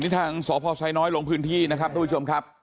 ทางสพไซน้อยลงพื้นที่นะครับทุกผู้ชมครับ